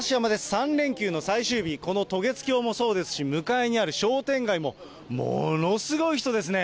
３連休の最終日、この渡月橋もそうですし、向かいにある商店街もものすごい人ですね。